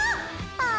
ああ！